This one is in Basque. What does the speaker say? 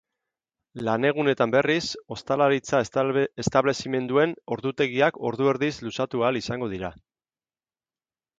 Lanegunetan, berriz, ostalaritza establezimenduen ordutegiak ordu erdiz luzatu ahal izango dira.